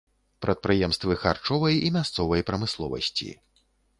Прадпрыемствы харчовай і мясцовай прамысловасці.